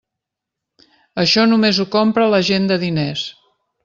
Això només ho compra la gent de diners.